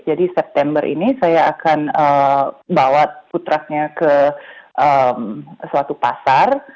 jadi september ini saya akan bawa food trucknya ke suatu pasar